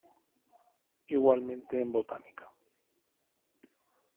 Igualmente en botánica.